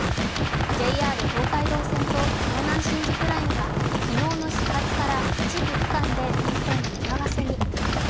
ＪＲ東海道線と湘南新宿ラインは昨日の始発から一部区間で運転見合わせに。